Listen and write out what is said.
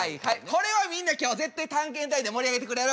これをみんな今日絶対探検隊で盛り上げてくれる？